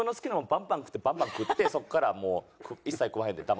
バンバン食ってバンバン食ってそこからもう一切食わへんで黙ってるとか。